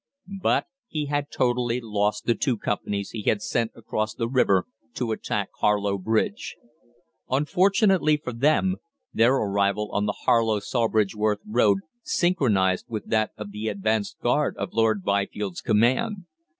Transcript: But he had totally lost the two companies he had sent across the river to attack Harlow Bridge. Unfortunately for them, their arrival on the Harlow Sawbridgeworth Road synchronised with that of the advanced guard of Lord Byfield's command.